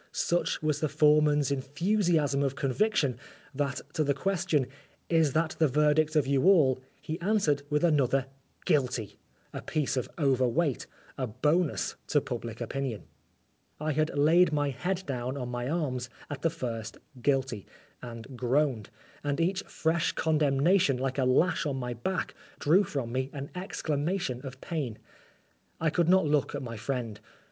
Such was the foreman's enthusiasm of convic tion, that to the question " Is that the verdict of you all ?" he answered with another " Guilty," a piece of overweight a bonus to public opinion. I had laid my head down on my arms at the first "Guilty" and groaned, and each fresh condemnation, like a lash on my back, drew from me an exclama tion of pain. I could not look at my friend.